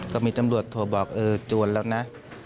ก็มีตำรวจโทรบอกเออจวนแล้วนะ